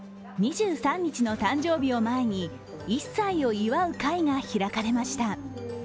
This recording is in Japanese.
２３日の誕生日を前に１歳を祝う会が開かれました。